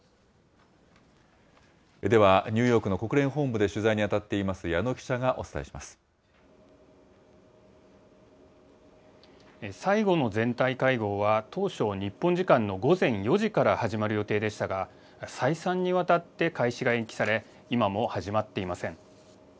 では、ニューヨークの国連本部で取材に当たっています、矢野記者がお伝最後の全体会合は、当初、日本時間の午前４時から始まる予定でしたが、さいさんにわたって開始が延期され、今も始まっていません。